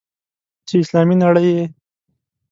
چې اسلامي نړۍ یې.